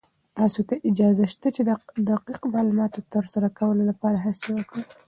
تاسې ته اجازه شته چې د دقيق معلوماتو تر سره کولو لپاره هڅې وکړئ.